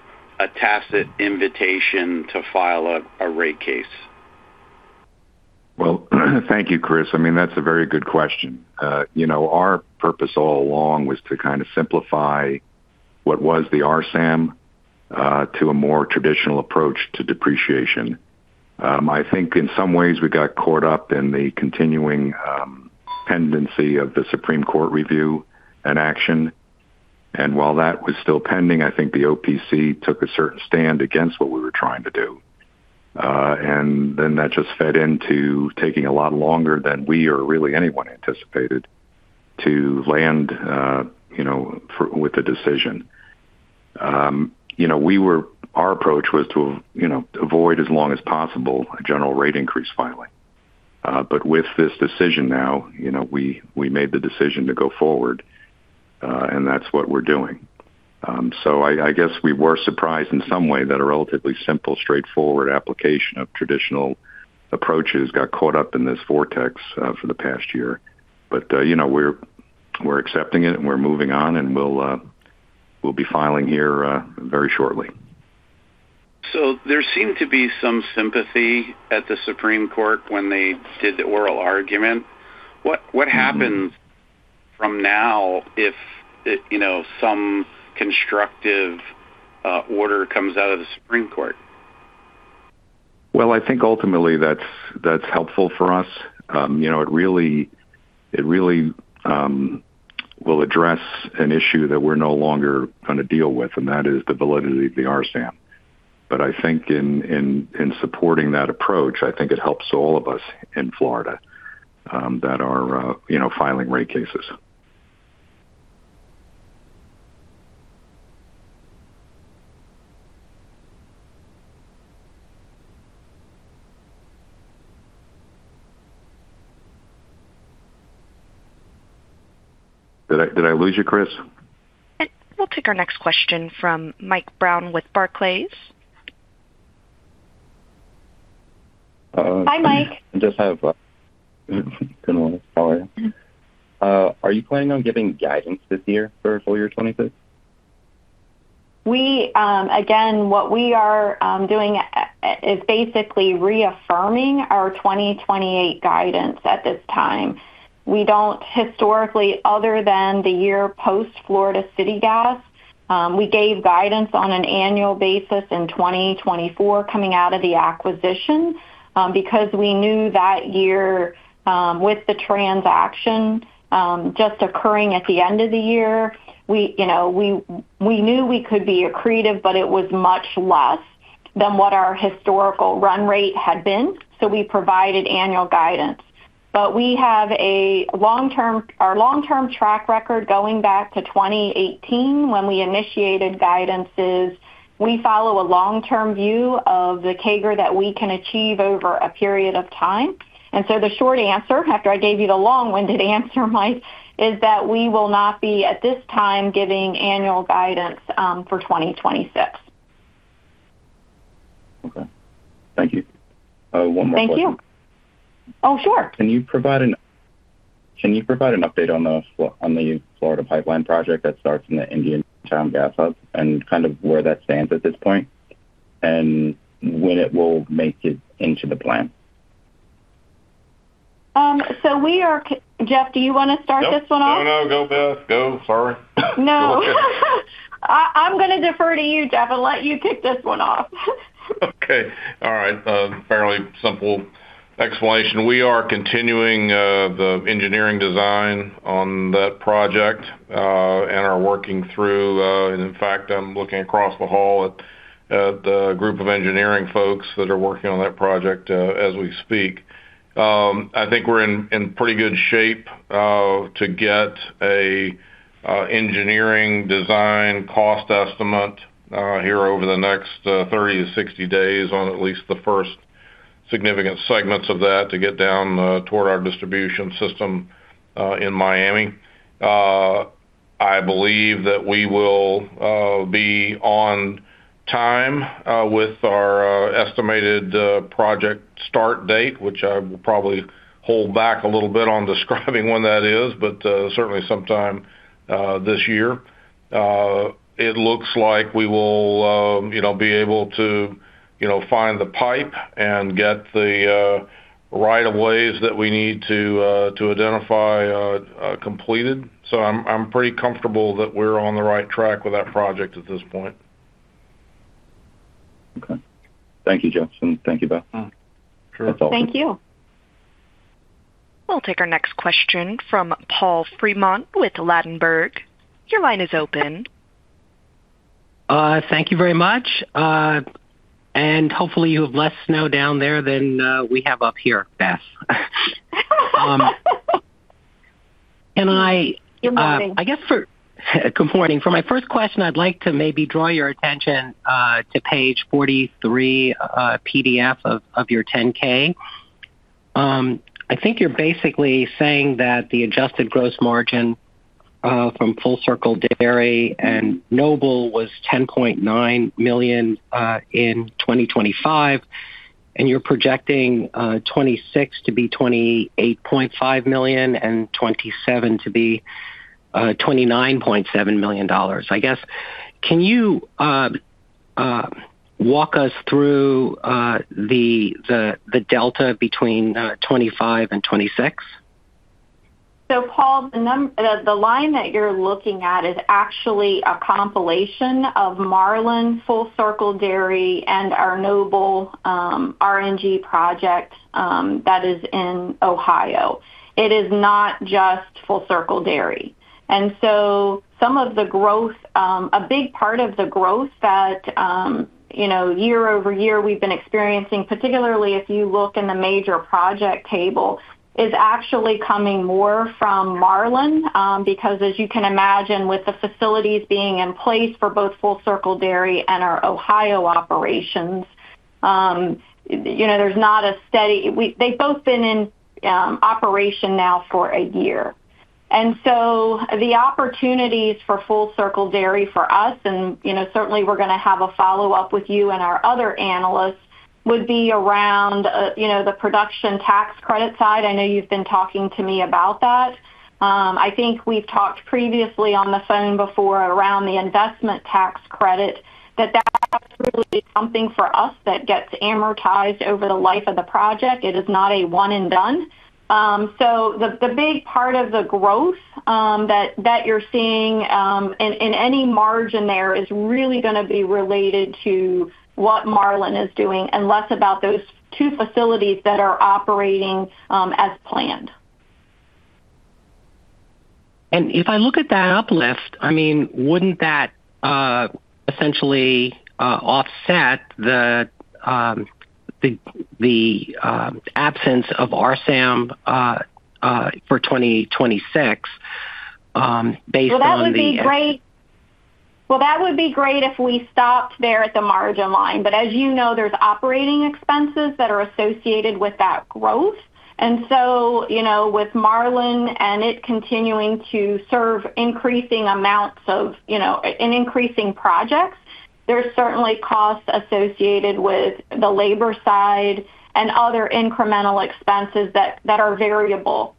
tacit invitation to file a rate case? Well, thank you, Chris. I mean, that's a very good question. you know, our purpose all along was to kind of simplify what was the RSAM to a more traditional approach to depreciation. I think in some ways we got caught up in the continuing pendency of the Supreme Court review and action, and while that was still pending, I think the OPC took a certain stand against what we were trying to do. That just fed into taking a lot longer than we or really anyone anticipated to land, you know, with a decision. you know, our approach was to, you know, avoid as long as possible a general rate increase filing. With this decision now, you know, we made the decision to go forward, and that's what we're doing. I guess we were surprised in some way that a relatively simple, straightforward application of traditional approaches got caught up in this vortex for the past year. We're accepting it, and we're moving on, and we'll be filing here very shortly. There seemed to be some sympathy at the Supreme Court when they did the oral argument. What happens from now if it, you know, some constructive order comes out of the Supreme Court? I think ultimately, that's helpful for us. You know, it really will address an issue that we're no longer going to deal with, and that is the validity of the RSAM. I think in supporting that approach, I think it helps all of us in Florida that are, you know, filing rate cases. Did I lose you, Chris? We'll take our next question from Mike Brown with Barclays. Hi, Mike. I just have, are you planning on giving guidance this year for full year 2026? Again, what we are doing is basically reaffirming our 2028 guidance at this time. We don't historically, other than the year post Florida City Gas, we gave guidance on an annual basis in 2024 coming out of the acquisition, because we knew that year, with the transaction, just occurring at the end of the year, you know, we knew we could be accretive, but it was much less than what our historical run rate had been, so we provided annual guidance. We have our long-term track record going back to 2018 when we initiated guidances, we follow a long-term view of the CAGR that we can achieve over a period of time. The short answer, after I gave you the long-winded answer, Mike, is that we will not be, at this time, giving annual guidance, for 2026. Thank you. One more question. Thank you. Oh, sure! Can you provide an update on the Florida pipeline project that starts in the Indiantown Gas Hub, and kind of where that stands at this point, and when it will make it into the plan? We are Jeff, do you want to start this one off? No, no, go, Beth. Go. Sorry. No, I'm going to defer to you, Jeff, and let you kick this one off. Okay. All right. Fairly simple explanation. We are continuing the engineering design on that project and in fact, I'm looking across the hall at the group of engineering folks that are working on that project as we speak. I think we're in pretty good shape to get an engineering design cost estimate here over the next 30-60 days on at least the first significant segments of that to get down toward our distribution system in Miami. I believe that we will be on time with our estimated project start date, which I will probably hold back a little bit on describing when that is, certainly sometime this year. It looks like we will, you know, be able to, you know, find the pipe and get the right of ways that we need to identify completed. I'm pretty comfortable that we're on the right track with that project at this point. Okay. Thank you, Jeff, and thank you, Beth. Sure. Thank you. We'll take our next question from Paul Fremont with Ladenburg. Your line is open. Thank you very much. Hopefully you have less snow down there than we have up here, Beth. Good morning. I guess for. Good morning. For my first question, I'd like to maybe draw your attention to page 43 PDF of your 10-K. I think you're basically saying that the adjusted gross margin from Full Circle Dairy and Noble was $10.9 million in 2025, and you're projecting 2026 to be $28.5 million and 2027 to be $29.7 million. I guess, can you walk us through the delta between 2025 and 2026? Paul, the line that you're looking at is actually a compilation of Marlin, Full Circle Dairy, and our Noble RNG project that is in Ohio. It is not just Full Circle Dairy. Some of the growth, a big part of the growth that, you know, year-over-year we've been experiencing, particularly if you look in the major project table, is actually coming more from Marlin. Because as you can imagine, with the facilities being in place for both Full Circle Dairy and our Ohio operations, you know, there's not a steady. They've both been in operation now for a year. The opportunities for Full Circle Dairy for us, and, you know, certainly we're going to have a follow-up with you and our other analysts, would be around, you know, the production tax credit side. I know you've been talking to me about that. I think we've talked previously on the phone before around the investment tax credit, that that will be something for us that gets amortized over the life of the project. It is not a one and done. The big part of the growth that you're seeing in any margin there, is really going to be related to what Marlin is doing and less about those two facilities that are operating as planned. If I look at that uplift, I mean, wouldn't that essentially offset the absence of RSAM for 2026 based on? That would be great. That would be great if we stopped there at the margin line. As you know, there's operating expenses that are associated with that growth. You know, with Marlin and it continuing to serve increasing amounts of, you know, and increasing projects, there's certainly costs associated with the labor side and other incremental expenses that are variable.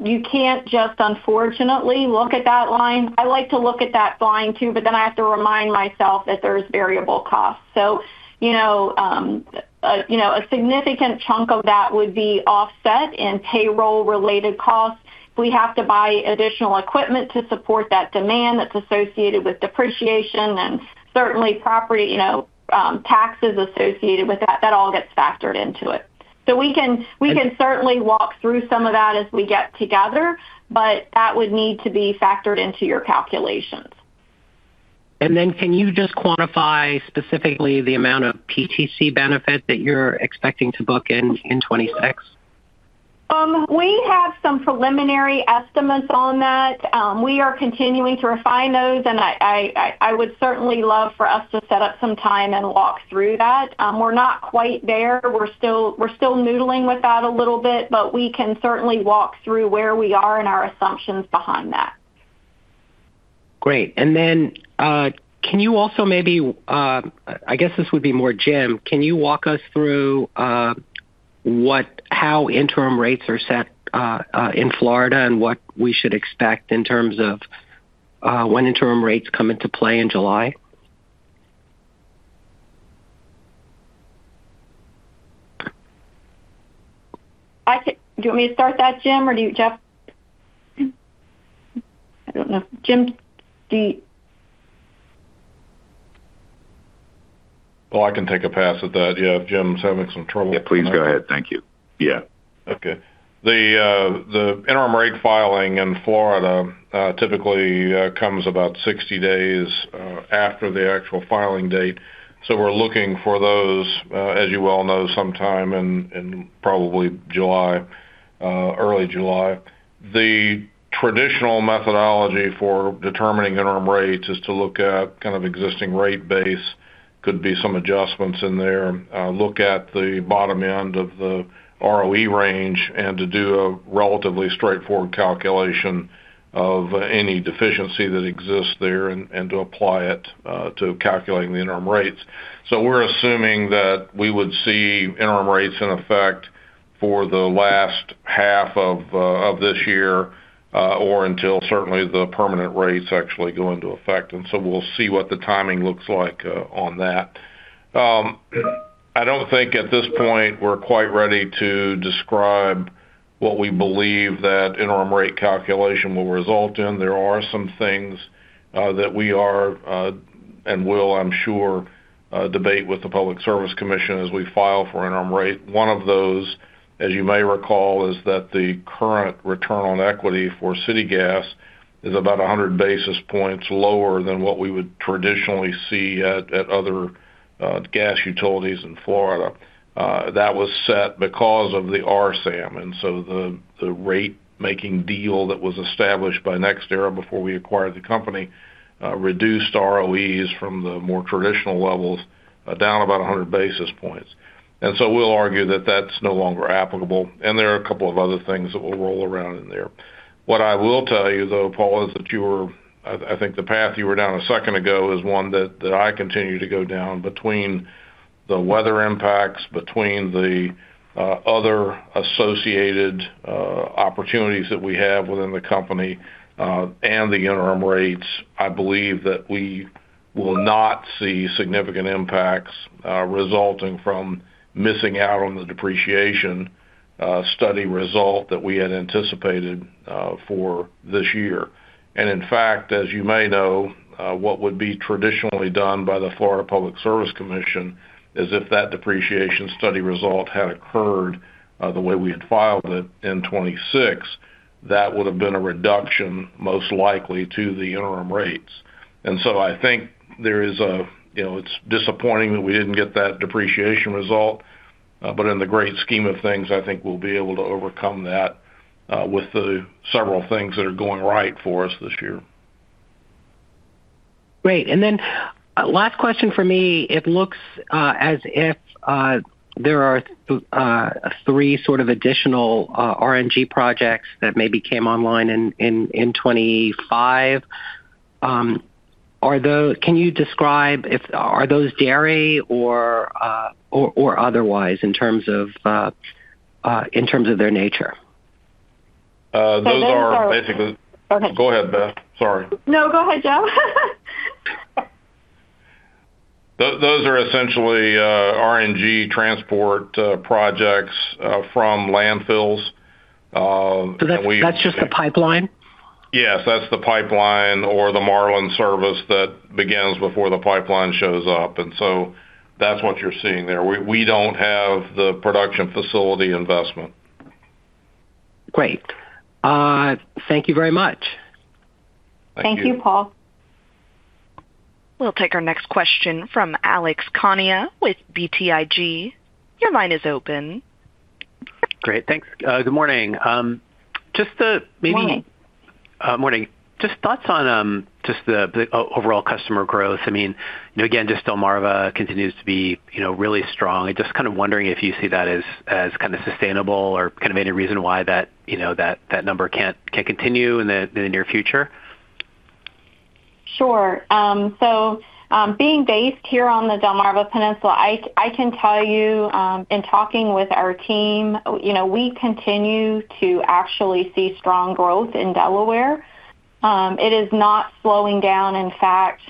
You can't just, unfortunately, look at that line. I like to look at that line, too, but then I have to remind myself that there's variable costs. You know, a significant chunk of that would be offset in payroll-related costs. We have to buy additional equipment to support that demand that's associated with depreciation and certainly property, you know, taxes associated with that. That all gets factored into it. We can certainly walk through some of that as we get together, but that would need to be factored into your calculations. Can you just quantify specifically the amount of PTC benefit that you're expecting to book in 2026? We have some preliminary estimates on that. We are continuing to refine those, and I would certainly love for us to set up some time and walk through that. We're not quite there. We're still noodling with that a little bit, but we can certainly walk through where we are and our assumptions behind that. Great. Can you also maybe, I guess this would be more Jim, can you walk us through how interim rates are set in Florida and what we should expect in terms of when interim rates come into play in July? Do you want me to start that, Jim, or do you, Jeff? I don't know. Jim... Well, I can take a pass at that. Yeah, Jim's having some trouble. Yeah, please go ahead. Thank you. Yeah. Okay. The interim rate filing in Florida, typically, comes about 60 days after the actual filing date. We're looking for those, as you well know, sometime in probably July, early July. The traditional methodology for determining interim rates is to look at kind of existing rate base, could be some adjustments in there, look at the bottom end of the ROE range and to do a relatively straightforward calculation of any deficiency that exists there and to apply it to calculating the interim rates. We're assuming that we would see interim rates in effect for the last half of this year, or until certainly the permanent rates actually go into effect. We'll see what the timing looks like on that. I don't think at this point we're quite ready to describe what we believe that interim rate calculation will result in. There are some things that we are and will, I'm sure, debate with the Florida Public Service Commission as we file for interim rate. One of those, as you may recall, is that the current return on equity for Florida City Gas is about 100 basis points lower than what we would traditionally see at other gas utilities in Florida. That was set because of the RSAM, and so the rate-making deal that was established by NextEra Energy before we acquired the company reduced ROEs from the more traditional levels, down about 100 basis points. We'll argue that that's no longer applicable, and there are a couple of other things that we'll roll around in there. What I will tell you, though, Paul, is that I think the path you were down a second ago is one that I continue to go down. Between the weather impacts, between the other associated opportunities that we have within the company and the interim rates, I believe that we will not see significant impacts resulting from missing out on the depreciation study result that we had anticipated for this year. In fact, as you may know, what would be traditionally done by the Florida Public Service Commission is if that depreciation study result had occurred the way we had filed it in 2026, that would have been a reduction, most likely, to the interim rates. I think there is a, you know, it's disappointing that we didn't get that depreciation result, but in the great scheme of things, I think we'll be able to overcome that with the several things that are going right for us this year. Great. Last question for me. It looks as if there are three sort of additional RNG projects that maybe came online in 2025. Can you describe if? Are those dairy or otherwise in terms of their nature? Okay. Go ahead, Beth. Sorry. No, go ahead, Jeff. Those are essentially RNG transport projects from landfills, and That's just the pipeline? Yes, that's the pipeline or the Marlin service that begins before the pipeline shows up, that's what you're seeing there. We don't have the production facility investment. Great. Thank you very much. Thank you. Thank you, Paul. We'll take our next question from Alex Kania with BTIG. Your line is open. Great. Thanks. Good morning. Morning. Morning. Just thoughts on, just the overall customer growth. I mean, you know, again, just Delmarva continues to be, you know, really strong. I'm just kind of wondering if you see that as kind of sustainable or kind of any reason why that, you know, that number can't continue in the near future? Sure. Being based here on the Delmarva Peninsula, I can tell you, in talking with our team, you know, we continue to actually see strong growth in Delaware. It is not slowing down. In fact,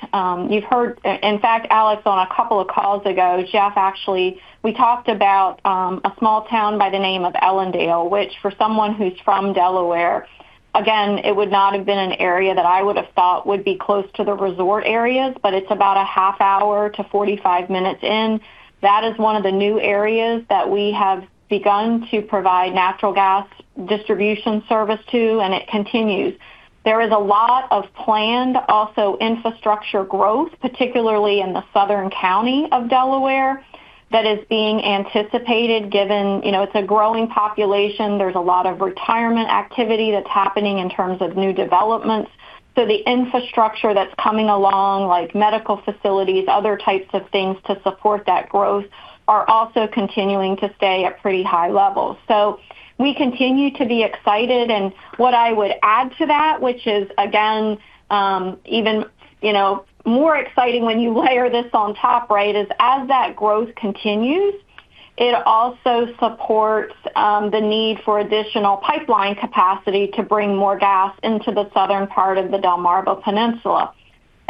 you've heard, in fact, Alex, on a couple of calls ago, Jeff, actually, we talked about a small town by the name of Ellendale, which for someone who's from Delaware, again, it would not have been an area that I would have thought would be close to the resort areas, but it's about a half hour to 45 minutes in. That is one of the new areas that we have begun to provide natural gas distribution service to. It continues. There is a lot of planned, also, infrastructure growth, particularly in the southern county of Delaware, that is being anticipated, given, you know, it's a growing population. There's a lot of retirement activity that's happening in terms of new developments. The infrastructure that's coming along, like medical facilities, other types of things to support that growth, are also continuing to stay at pretty high levels. We continue to be excited, and what I would add to that, which is, again, even, you know, more exciting when you layer this on top, right, is as that growth continues. It also supports, the need for additional pipeline capacity to bring more gas into the southern part of the Delmarva Peninsula.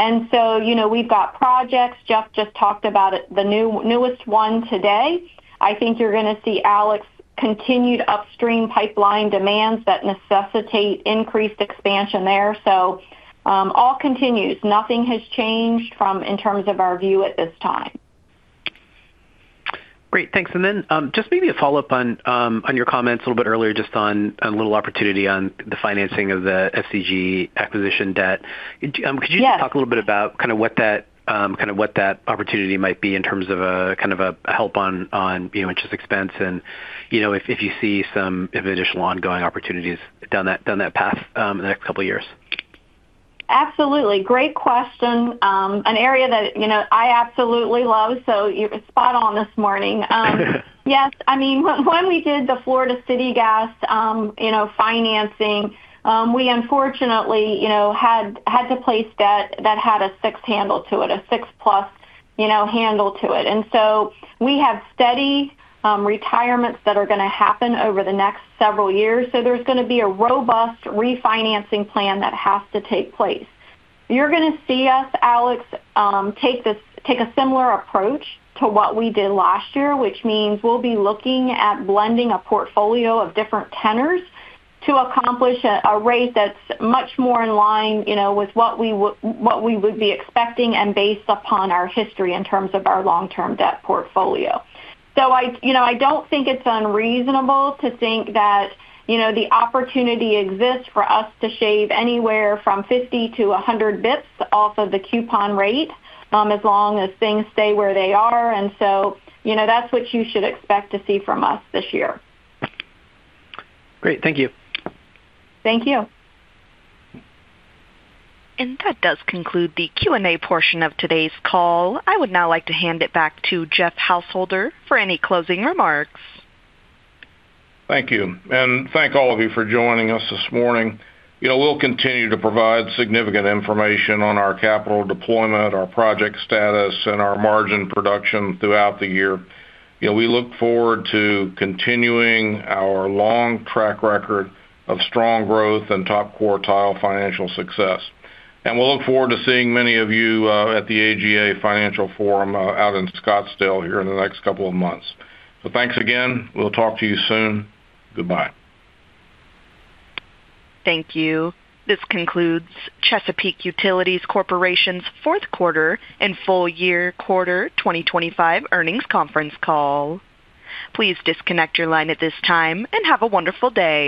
you know, we've got projects. Jeff just talked about it, the newest one today. I think you're going to see, Alex, continued upstream pipeline demands that necessitate increased expansion there. all continues. Nothing has changed from in terms of our view at this time. Great, thanks. Then, just maybe a follow-up on your comments a little bit earlier, just on a little opportunity on the financing of the FCG acquisition debt. Yes. Just talk a little bit about kind of what that, kind of what that opportunity might be in terms of a kind of a help on, you know, interest expense and, you know, if you see some additional ongoing opportunities down that, down that path, in the next couple of years? Absolutely. Great question. an area that, you know, I absolutely love, so you're spot on this morning. yes, I mean, when we did the Florida City Gas, you know, financing, we unfortunately, you know, had to place debt that had a 6 handle to it, a 6-plus, you know, handle to it. We have steady retirements that are going to happen over the next several years, so there's going to be a robust refinancing plan that has to take place. You're going to see us, Alex, take a similar approach to what we did last year, which means we'll be looking at blending a portfolio of different tenors to accomplish a rate that's much more in line, you know, with what we would be expecting and based upon our history in terms of our long-term debt portfolio. I, you know, I don't think it's unreasonable to think that, you know, the opportunity exists for us to shave anywhere from 50 to 100 basis points off of the coupon rate, as long as things stay where they are, and so, you know, that's what you should expect to see from us this year. Great. Thank you. Thank you. That does conclude the Q&A portion of today's call. I would now like to hand it back to Jeff Householder for any closing remarks. Thank you. Thank all of you for joining us this morning. You know, we'll continue to provide significant information on our capital deployment, our project status, and our margin production throughout the year. You know, we look forward to continuing our long track record of strong growth and top-quartile financial success. We'll look forward to seeing many of you at the AGA Financial Forum out in Scottsdale here in the next couple of months. Thanks again. We'll talk to you soon. Goodbye. Thank you. This concludes Chesapeake Utilities Corporation's fourth quarter and full year quarter 2025 earnings conference call. Please disconnect your line at this time, and have a wonderful day.